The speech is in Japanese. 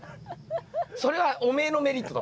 それはおめえのメリットだ。